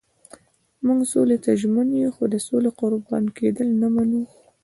موږ سولې ته ژمن یو خو د سولې قربان کېدل نه منو.